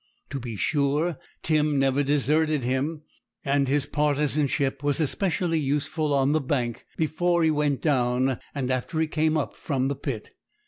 To be sure, Tim never deserted him, and his partisanship was especially useful on the bank, before he went down and after he came up from the pit.